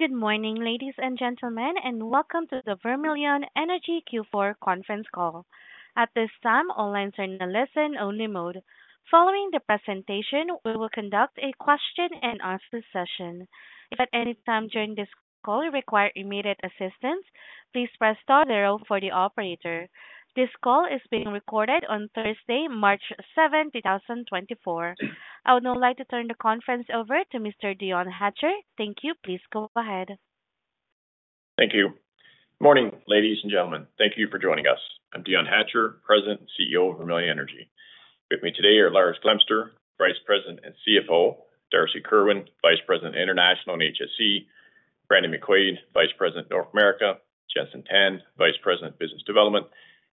Good morning, ladies and gentlemen, and welcome to the Vermilion Energy Q4 conference call. At this time, all lines are in a listen-only mode. Following the presentation, we will conduct a question and answer session. If at any time during this call you require immediate assistance, please press star zero for the operator. This call is being recorded on Thursday, March 7, 2024. I would now like to turn the conference over to Mr. Dion Hatcher. Thank you. Please go ahead. Thank you. Morning, ladies and gentlemen. Thank you for joining us. I'm Dion Hatcher, President and CEO of Vermilion Energy. With me today are Lars Glemser, Vice President and CFO, Darcy Kerwin, Vice President, International and HSE, Brandon McQuaid, Vice President, North America, Jenson Tan, Vice President, Business Development,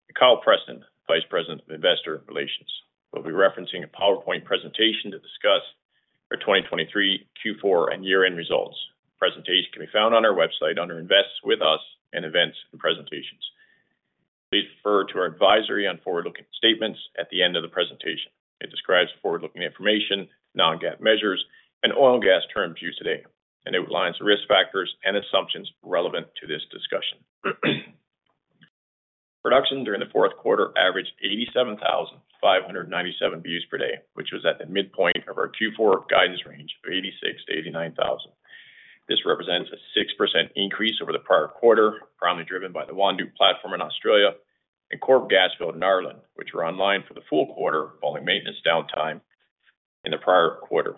and Kyle Preston, Vice President of Investor Relations. We'll be referencing a PowerPoint presentation to discuss our 2023 Q4 and year-end results. Presentation can be found on our website under Invest with Us and Events and Presentations. Please refer to our advisory on forward-looking statements at the end of the presentation. It describes forward-looking information, non-GAAP measures, and oil and gas terms used today, and it outlines risk factors and assumptions relevant to this discussion. Production during the fourth quarter averaged 87,597 BOE per day, which was at the midpoint of our Q4 guidance range of 86,000-89,000. This represents a 6% increase over the prior quarter, primarily driven by the Wandoo platform in Australia and Corrib gas field in Ireland, which were online for the full quarter, following maintenance downtime in the prior quarter.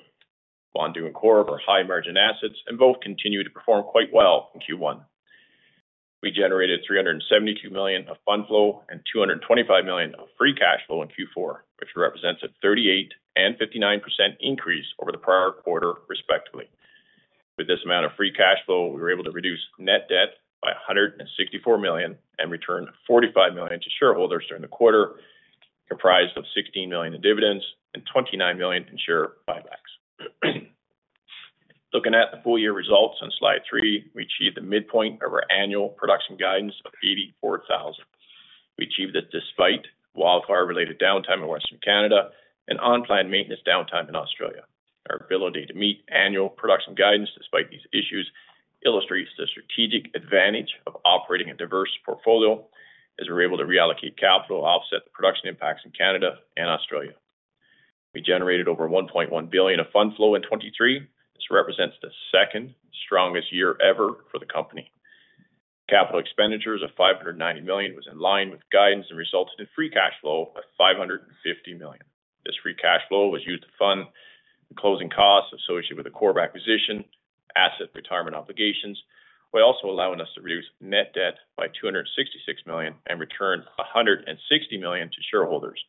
Wandoo and Corrib are high-margin assets and both continued to perform quite well in Q1. We generated 372 million of fund flow and 225 million of free cash flow in Q4, which represents a 38% and 59% increase over the prior quarter, respectively. With this amount of free cash flow, we were able to reduce net debt by 164 million and return 45 million to shareholders during the quarter, comprised of 16 million in dividends and 29 million in share buybacks. Looking at the full year results on slide 3, we achieved the midpoint of our annual production guidance of 84,000. We achieved it despite wildfire-related downtime in Western Canada and unplanned maintenance downtime in Australia. Our ability to meet annual production guidance despite these issues illustrates the strategic advantage of operating a diverse portfolio, as we're able to reallocate capital to offset the production impacts in Canada and Australia. We generated over 1.1 billion of fund flow in 2023. This represents the second strongest year ever for the company. Capital expenditures of 590 million was in line with guidance and resulted in free cash flow of 550 million. This free cash flow was used to fund the closing costs associated with the Corrib acquisition, asset retirement obligations, while also allowing us to reduce net debt by 266 million and return 160 million to shareholders,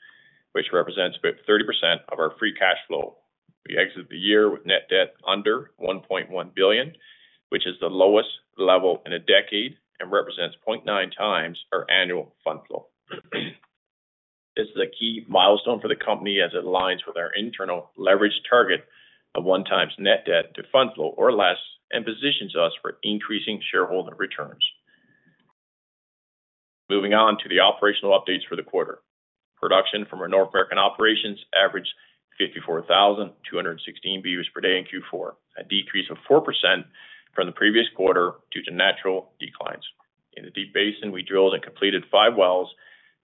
which represents about 30% of our free cash flow. We exit the year with net debt under 1.1 billion, which is the lowest level in a decade and represents 0.9x our annual fund flow. This is a key milestone for the company as it aligns with our internal leverage target of 1x net debt to fund flow or less and positions us for increasing shareholder returns. Moving on to the operational updates for the quarter. Production from our North American operations averaged 54,216 BOEs per day in Q4, a decrease of 4% from the previous quarter due to natural declines. In the Deep Basin, we drilled and completed five wells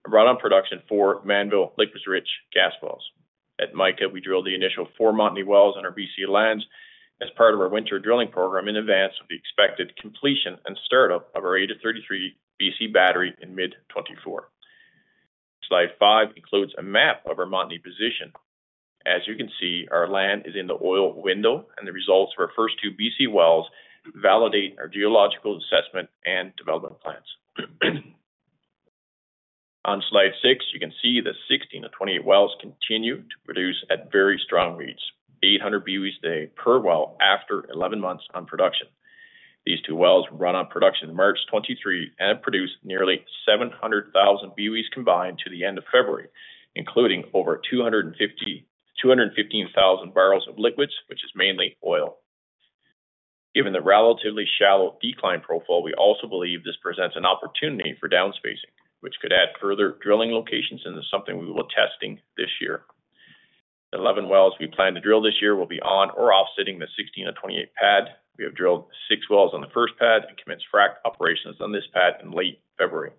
and run on production, four Mannville liquids-rich gas wells. At Mica, we drilled the initial four Montney wells on our BC lands as part of our winter drilling program in advance of the expected completion and start-up of our 8-33 BC battery in mid-2024. Slide five includes a map of our Montney position. As you can see, our land is in the oil window, and the results of our first two BC wells validate our geological assessment and development plans. On slide six, you can see the 16-28 wells continue to produce at very strong rates, 800 BOEs a day per well after 11 months on production. These two wells came on production in March 2023 and produced nearly 700,000 BOEs combined to the end of February, including over 215,000 barrels of liquids, which is mainly oil. Given the relatively shallow decline profile, we also believe this presents an opportunity for downspacing, which could add further drilling locations, and this is something we will be testing this year. 11 wells we plan to drill this year will be on or offsetting the 16-28 pad. We have drilled 6 wells on the first pad and commenced frack operations on this pad in late February.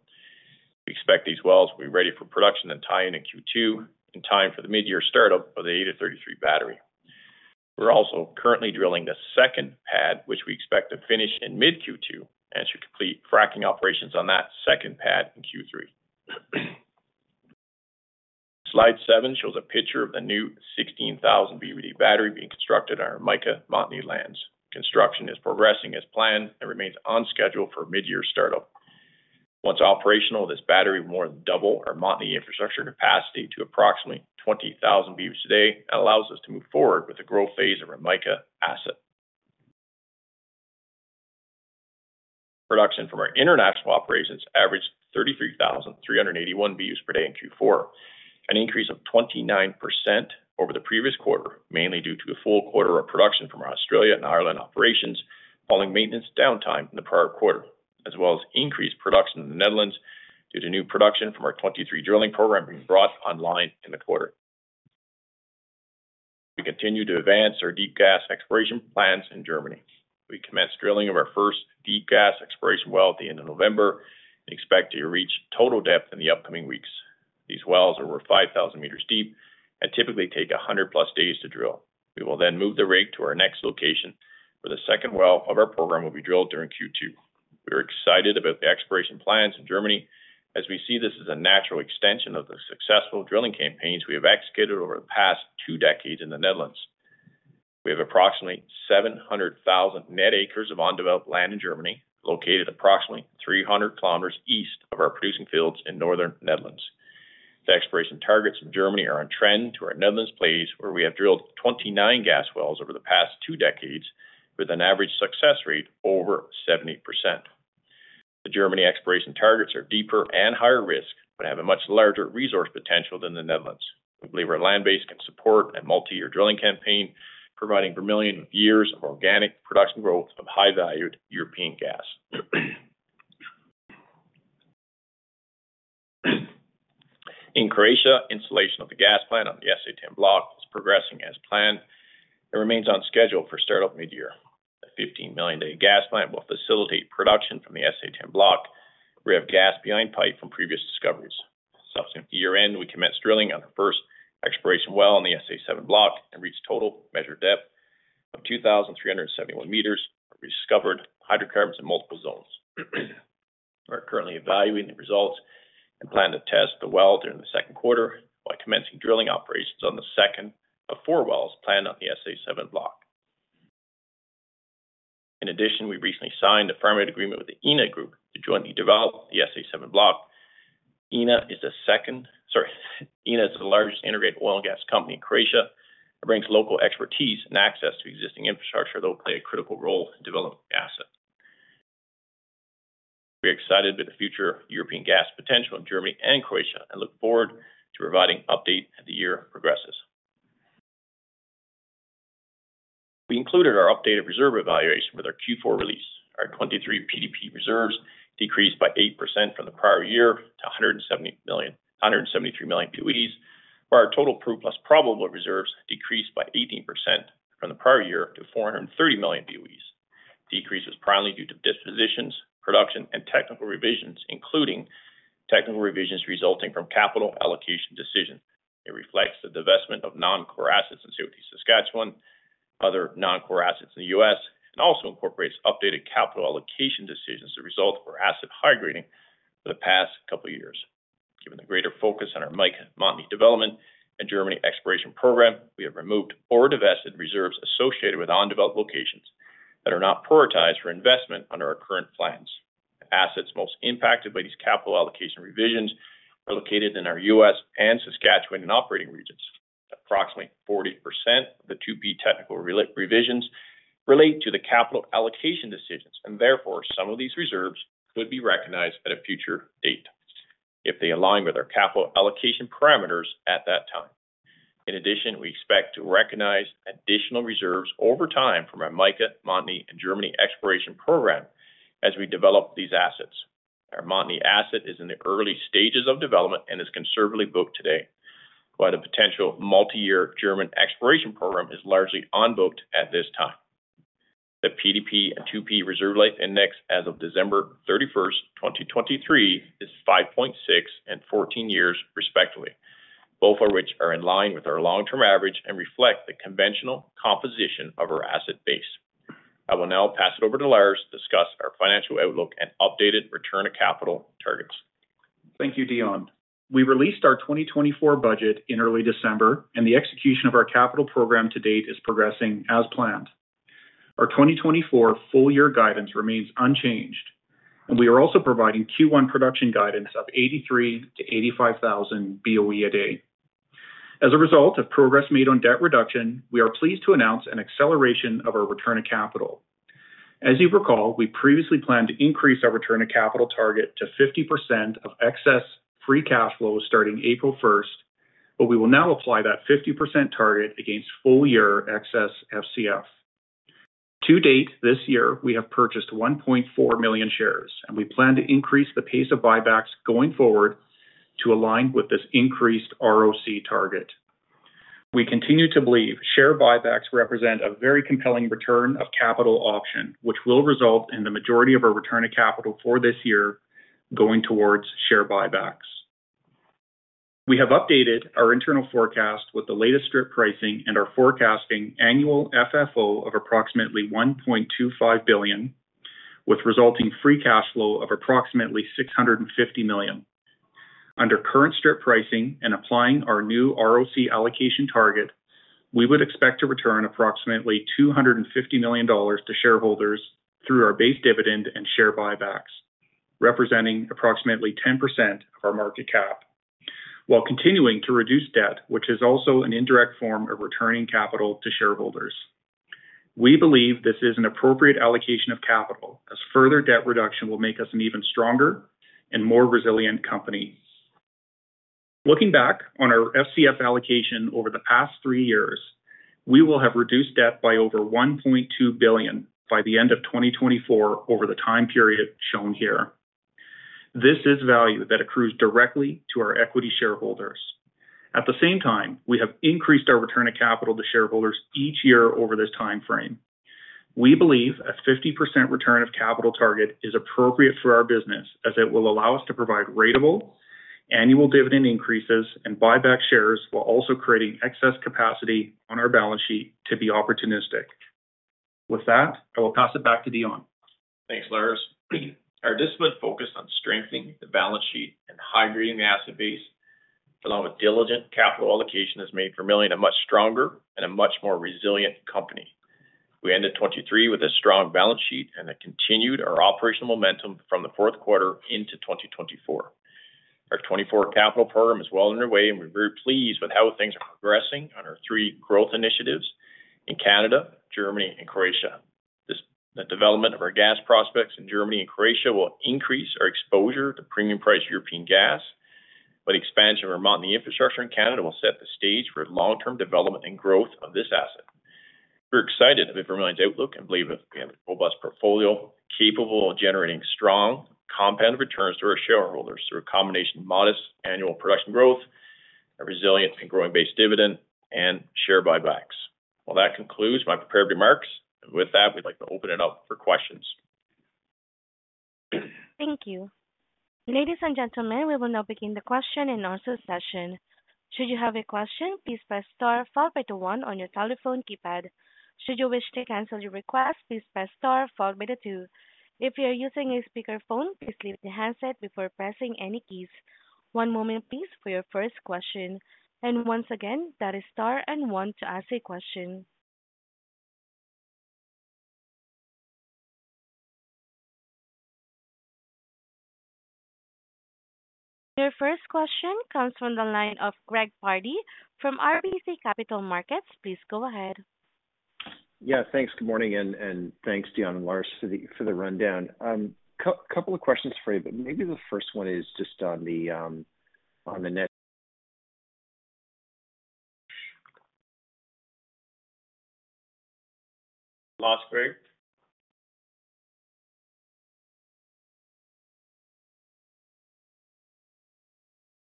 We expect these wells will be ready for production and tie-in in Q2, in time for the mid-year start-up of the 8-33 battery. We're also currently drilling the second pad, which we expect to finish in mid-Q2, and should complete fracking operations on that second pad in Q3. Slide seven shows a picture of the new 16,000 BOE battery being constructed on our Mica Montney lands. Construction is progressing as planned and remains on schedule for mid-year start-up. Once operational, this battery will more than double our Montney infrastructure capacity to approximately 20,000 BOEs a day and allows us to move forward with the growth phase of our Mica asset. Production from our international operations averaged 33,381 BOEs per day in Q4, an increase of 29% over the previous quarter, mainly due to the full quarter of production from our Australia and Ireland operations, following maintenance downtime in the prior quarter, as well as increased production in the Netherlands due to new production from our 2023 drilling program being brought online in the quarter. We continue to advance our deep gas exploration plans in Germany. We commenced drilling of our first deep gas exploration well at the end of November, and expect to reach total depth in the upcoming weeks. These wells are over 5,000 meters deep and typically take 100+ days to drill. We will then move the rig to our next location, where the second well of our program will be drilled during Q2. We are excited about the exploration plans in Germany as we see this as a natural extension of the successful drilling campaigns we have executed over the past two decades in the Netherlands. We have approximately 700,000 net acres of undeveloped land in Germany, located approximately 300 kilometers east of our producing fields in northern Netherlands. The exploration targets in Germany are on trend to our Netherlands plays, where we have drilled 29 gas wells over the past two decades, with an average success rate over 78%. The Germany exploration targets are deeper and higher risk, but have a much larger resource potential than the Netherlands. We believe our land base can support a multi-year drilling campaign, providing Vermilion years of organic production growth of high-valued European gas. In Croatia, installation of the gas plant on the SA-10 block is progressing as planned and remains on schedule for startup midyear. The 15 million-day gas plant will facilitate production from the SA-10 block. We have gas behind pipe from previous discoveries. Subsequent to year-end, we commenced drilling on our first exploration well on the SA-07 block and reached total measured depth of 2,371 meters, and we discovered hydrocarbons in multiple zones. We are currently evaluating the results and plan to test the well during the second quarter while commencing drilling operations on the second of four wells planned on the SA-07 block. In addition, we recently signed a firm agreement with the INA Group to jointly develop the SA-07 block. INA is the largest integrated oil and gas company in Croatia and brings local expertise and access to existing infrastructure that will play a critical role in developing the asset. We are excited about the future European gas potential in Germany and Croatia, and look forward to providing an update as the year progresses. We included our updated reserve evaluation with our Q4 release. Our 2023 PDP reserves decreased by 8% from the prior year to 173 million BOEs, while our total proved plus probable reserves decreased by 18% from the prior year to 430 million BOEs. Decrease is primarily due to dispositions, production, and technical revisions, including technical revisions resulting from capital allocation decisions. It reflects the divestment of non-core assets in Saskatchewan, other non-core assets in the U.S., and also incorporates updated capital allocation decisions as a result of our asset high grading for the past couple of years. Given the greater focus on our Mica Montney development and Germany exploration program, we have removed or divested reserves associated with undeveloped locations that are not prioritized for investment under our current plans. The assets most impacted by these capital allocation revisions are located in our U.S. and Saskatchewan operating regions. Approximately 40% of the 2P technical revisions relate to the capital allocation decisions, and therefore, some of these reserves could be recognized at a future date if they align with our capital allocation parameters at that time. In addition, we expect to recognize additional reserves over time from our Mica, Montney, and Germany exploration program as we develop these assets. Our Montney asset is in the early stages of development and is conservatively booked today, while the potential multi-year German exploration program is largely unbooked at this time. The PDP and 2P reserve life index as of December 31, 2023, is 5.6 and 14 years, respectively, both of which are in line with our long-term average and reflect the conventional composition of our asset base. I will now pass it over to Lars to discuss our financial outlook and updated return of capital targets. Thank you, Dion. We released our 2024 budget in early December, and the execution of our capital program to date is progressing as planned. Our 2024 full-year guidance remains unchanged, and we are also providing Q1 production guidance of 83,000-85,000 BOE a day. As a result of progress made on debt reduction, we are pleased to announce an acceleration of our return of capital. As you recall, we previously planned to increase our return of capital target to 50% of excess free cash flow starting April first, but we will now apply that 50% target against full-year excess FCF. To date, this year, we have purchased 1.4 million shares, and we plan to increase the pace of buybacks going forward to align with this increased ROC target. We continue to believe share buybacks represent a very compelling return of capital option, which will result in the majority of our return of capital for this year going towards share buybacks. We have updated our internal forecast with the latest strip pricing and are forecasting annual FFO of approximately $1.25 billion, with resulting free cash flow of approximately $650 million. Under current strip pricing and applying our new ROC allocation target, we would expect to return approximately $250 million to shareholders through our base dividend and share buybacks, representing approximately 10% of our market cap, while continuing to reduce debt, which is also an indirect form of returning capital to shareholders. We believe this is an appropriate allocation of capital, as further debt reduction will make us an even stronger and more resilient company. Looking back on our FCF allocation over the past 3 years, we will have reduced debt by over 1.2 billion by the end of 2024 over the time period shown here. This is value that accrues directly to our equity shareholders. At the same time, we have increased our return of capital to shareholders each year over this time frame. We believe a 50% return of capital target is appropriate for our business, as it will allow us to provide ratable annual dividend increases and buy back shares, while also creating excess capacity on our balance sheet to be opportunistic. With that, I will pass it back to Dion. Thanks, Lars. Our discipline focused on strengthening the balance sheet and high-grading the asset base, along with diligent capital allocation, has made Vermilion a much stronger and a much more resilient company. We ended 2023 with a strong balance sheet and continued our operational momentum from the fourth quarter into 2024. Our 2024 capital program is well underway, and we're very pleased with how things are progressing on our three growth initiatives in Canada, Germany, and Croatia. The development of our gas prospects in Germany and Croatia will increase our exposure to premium price European gas, but expansion of our Montney infrastructure in Canada will set the stage for long-term development and growth of this asset. We're excited about Vermilion's outlook and believe that we have a robust portfolio, capable of generating strong compound returns to our shareholders through a combination of modest annual production growth, a resilient and growing base dividend, and share buybacks. Well, that concludes my prepared remarks. With that, we'd like to open it up for questions. Thank you. Ladies and gentlemen, we will now begin the question and answer session. Should you have a question, please press star followed by the one on your telephone keypad. Should you wish to cancel your request, please press star followed by the two. If you are using a speakerphone, please leave the handset before pressing any keys. One moment, please, for your first question, and once again, that is star and one to ask a question. Your first question comes from the line of Greg Pardy from RBC Capital Markets. Please go ahead. Yeah, thanks. Good morning, and thanks, Dion and Lars, for the rundown. Couple of questions for you, but maybe the first one is just on the net.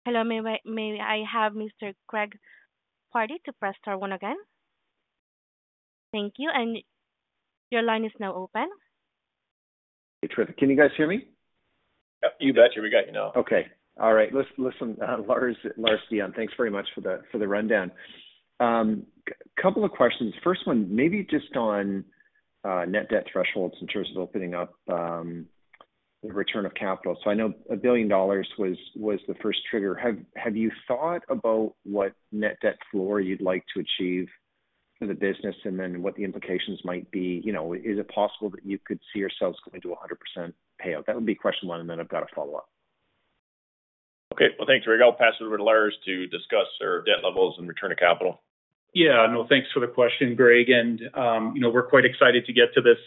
Hello. May we, may I have Mr. Greg Pardy to press star one again? Thank you, and your line is now open. Terrific. Can you guys hear me? Yep, you bet you. We got you now. Okay, all right. Let's listen, Lars, Dion, thanks very much for the rundown. Couple of questions. First one, maybe just on net debt thresholds in terms of opening up the return of capital. So I know $1 billion was the first trigger. Have you thought about what net debt floor you'd like to achieve for the business and then what the implications might be? You know, is it possible that you could see yourselves going to 100% payout? That would be question one, and then I've got a follow-up. Okay, well, thanks, Greg. I'll pass it over to Lars to discuss our debt levels and return of capital. Yeah, no, thanks for the question, Greg, and, you know, we're quite excited to get to this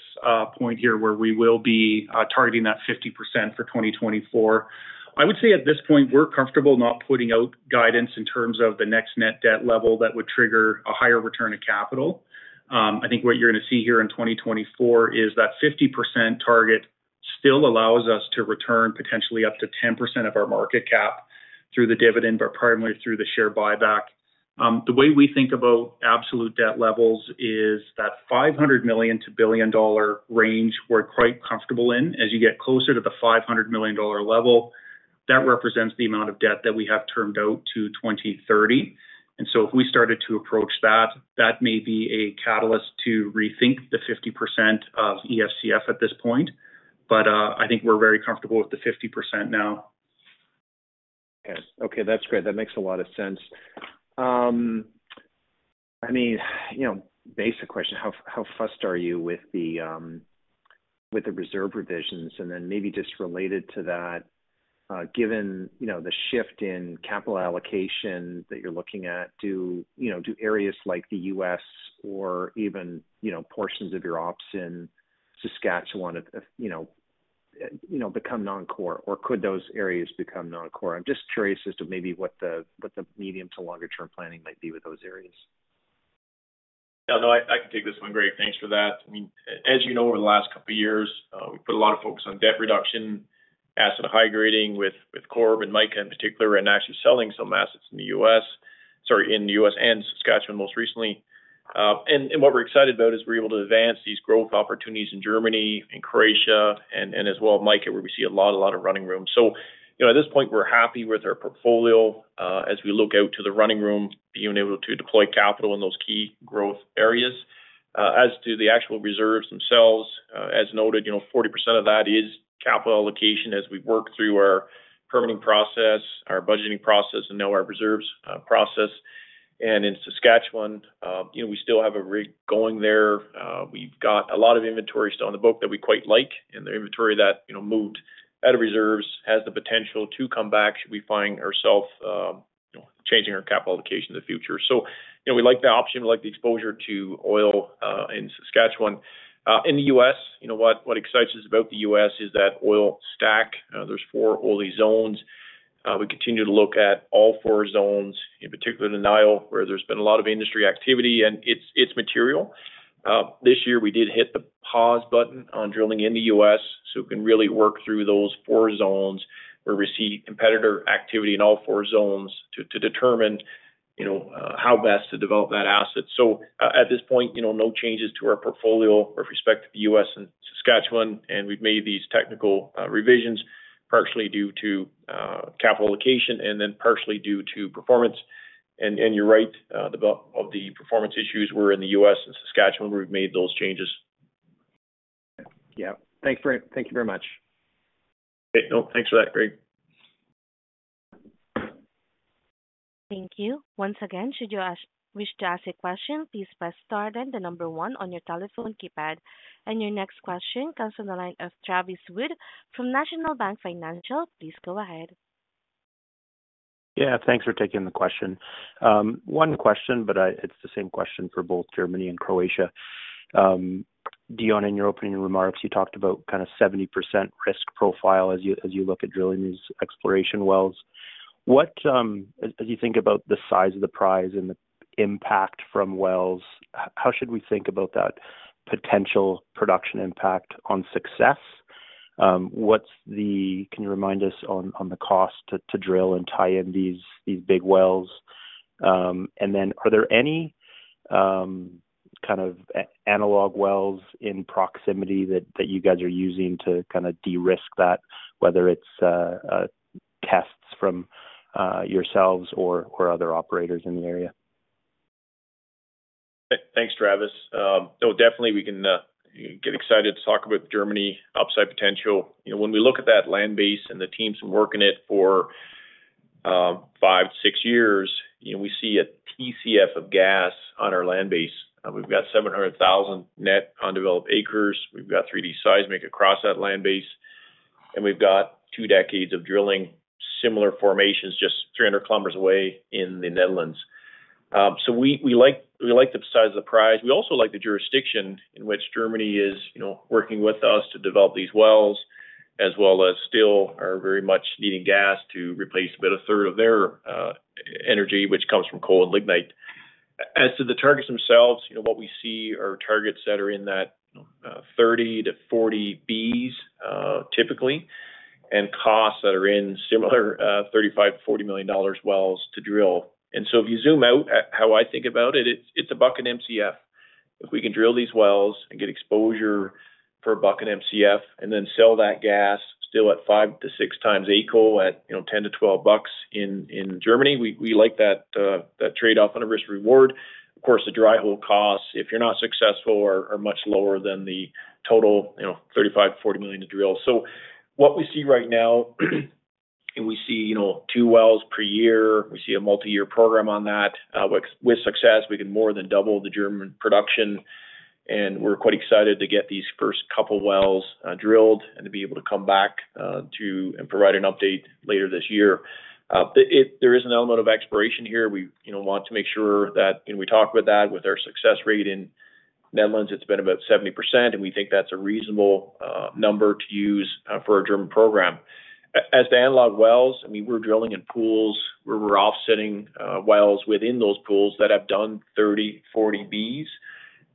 point here, where we will be targeting that 50% for 2024. I would say at this point, we're comfortable not putting out guidance in terms of the next net debt level that would trigger a higher return of capital. I think what you're gonna see here in 2024 is that 50% target still allows us to return potentially up to 10% of our market cap through the dividend, but primarily through the share buyback. The way we think about absolute debt levels is that 500 million-1 billion dollar range, we're quite comfortable in. As you get closer to the 500 million dollar level, that represents the amount of debt that we have termed out to 2030, and so if we started to approach that, that may be a catalyst to rethink the 50% of EFCF at this point. But, I think we're very comfortable with the 50% now. Okay. Okay, that's great. That makes a lot of sense. I mean, you know, basic question, how fussed are you with the reserve revisions? And then maybe just related to that, given, you know, the shift in capital allocation that you're looking at, you know, do areas like the U.S. or even, you know, portions of your ops in Saskatchewan, if, you know, become non-core or could those areas become non-core? I'm just curious as to maybe what the medium to longer term planning might be with those areas. Yeah, no, I can take this one, Greg. Thanks for that. I mean, as you know, over the last couple of years, we put a lot of focus on debt reduction, asset high-grading with Corrib and Mica in particular, and actually selling some assets in the U.S., sorry, in the U.S. and Saskatchewan most recently. And what we're excited about is we're able to advance these growth opportunities in Germany and Croatia and as well, Mica, where we see a lot of running room. So, you know, at this point, we're happy with our portfolio, as we look out to the running room, being able to deploy capital in those key growth areas. As to the actual reserves themselves, as noted, you know, 40% of that is capital allocation as we work through our permitting process, our budgeting process, and now our reserves process. And in Saskatchewan, you know, we still have a rig going there. We've got a lot of inventory still on the book that we quite like, and the inventory that, you know, moved out of reserves has the potential to come back should we find ourselves, you know, changing our capital allocation in the future. So, you know, we like the option, we like the exposure to oil in Saskatchewan. In the U.S., you know what, what excites us about the U.S. is that oil stack. There's four oily zones.... We continue to look at all four zones, in particular, the Niobrara where there's been a lot of industry activity, and it's material. This year, we did hit the pause button on drilling in the U.S., so we can really work through those four zones where we see competitor activity in all four zones to determine, you know, how best to develop that asset. So at this point, you know, no changes to our portfolio with respect to the U.S. and Saskatchewan, and we've made these technical revisions partially due to capital allocation and then partially due to performance. And you're right, the performance issues were in the U.S. and Saskatchewan, where we've made those changes. Yeah. Thank you very much. Okay. No, thanks for that, Greg. Thank you. Once again, should you wish to ask a question, please press star then the number one on your telephone keypad. Your next question comes from the line of Travis Wood from National Bank Financial. Please go ahead. Yeah, thanks for taking the question. One question, but it's the same question for both Germany and Croatia. Dion, in your opening remarks, you talked about kind of 70% risk profile as you, as you look at drilling these exploration wells. What, as you think about the size of the prize and the impact from wells, how should we think about that potential production impact on success? What's the—can you remind us on the cost to drill and tie in these big wells? And then are there any kind of analog wells in proximity that you guys are using to kinda de-risk that, whether it's tests from yourselves or other operators in the area? Thanks, Travis. So definitely we can get excited to talk about Germany upside potential. You know, when we look at that land base, and the teams working it for five/six years, you know, we see a TCF of gas on our land base. We've got 700,000 net undeveloped acres. We've got 3D seismic across that land base, and we've got two decades of drilling similar formations, just 300 kilometers away in the Netherlands. So we like the size of the prize. We also like the jurisdiction in which Germany is working with us to develop these wells, as well as still are very much needing gas to replace about a third of their energy, which comes from coal and lignite. As to the targets themselves, you know, what we see are targets that are in that 30-40 Bcf, typically, and costs that are in similar 35-40 million dollars wells to drill. So if you zoom out, how I think about it, it's, it's CAD 1 Mcf. If we can drill these wells and get exposure for CAD 1 Mcf, and then sell that gas still at 5-6x AECO at, you know, 10-12 bucks in Germany, we like that, that trade-off on a risk reward. Of course, the dry hole costs, if you're not successful, are much lower than the total, you know, 35-40 million to drill. So what we see right now, and we see, you know, two wells per year, we see a multiyear program on that. With success, we can more than double the German production, and we're quite excited to get these first couple wells drilled and to be able to come back to and provide an update later this year. But there is an element of exploration here. We, you know, want to make sure that, and we talk about that with our success rate in Netherlands; it's been about 70%, and we think that's a reasonable number to use for our German program. As the analog wells, I mean, we're drilling in pools, where we're offsetting wells within those pools that have done 30, 40 Bs.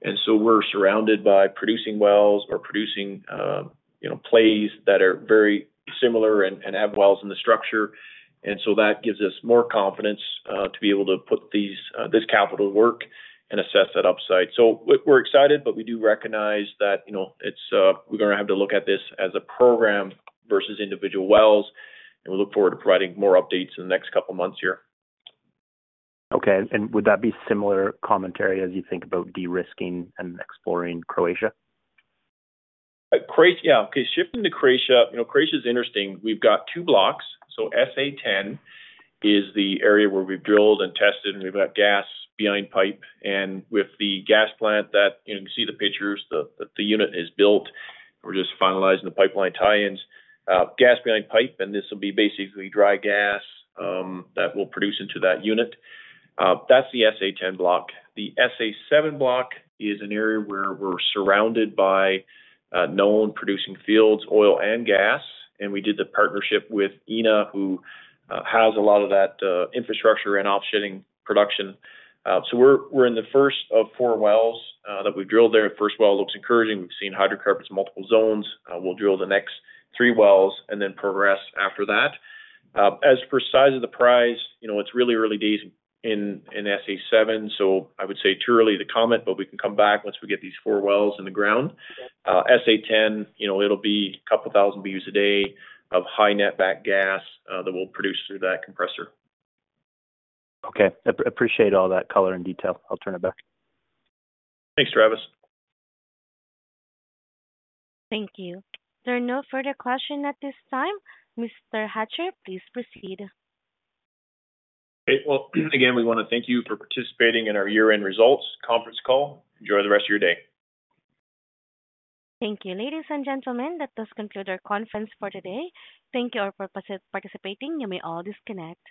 And so we're surrounded by producing wells or producing, you know, plays that are very similar and have wells in the structure. And so that gives us more confidence to be able to put this capital work and assess that upside. So we're excited, but we do recognize that, you know, it's we're gonna have to look at this as a program versus individual wells, and we look forward to providing more updates in the next couple of months here. Okay. And would that be similar commentary as you think about de-risking and exploring Croatia? Yeah. Okay, shifting to Croatia, you know, Croatia is interesting. We've got two blocks. So SA-10 is the area where we've drilled and tested, and we've got gas behind pipe. And with the gas plant that, you know, you can see the pictures, the unit is built. We're just finalizing the pipeline tie-ins. Gas behind pipe, and this will be basically dry gas, that we'll produce into that unit. That's the SA-10 block. The SA-07 block is an area where we're surrounded by known producing fields, oil and gas, and we did the partnership with INA, who has a lot of that infrastructure and offsetting production. So we're in the first of four wells that we've drilled there. First well looks encouraging. We've seen hydrocarbons, multiple zones. We'll drill the next three wells and then progress after that. As for size of the prize, you know, it's really early days in SA-07, so I would say too early to comment, but we can come back once we get these four wells in the ground. SA-10, you know, it'll be a couple thousand BOEs a day of high netback gas, that we'll produce through that compressor. Okay. Appreciate all that color and detail. I'll turn it back. Thanks, Travis. Thank you. There are no further questions at this time. Mr. Hatcher, please proceed. Okay. Well, again, we wanna thank you for participating in our year-end results conference call. Enjoy the rest of your day. Thank you. Ladies and gentlemen, that does conclude our conference for today. Thank you all for participating. You may all disconnect.